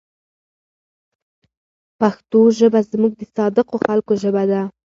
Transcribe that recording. پښتو ژبه زموږ د صادقو خلکو ژبه ده.